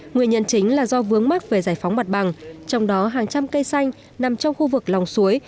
nguyên nhân chính là do vướng mắt về giải phóng mặt bằng trong đó hàng trăm cây xanh nằm trong khu vực lòng suối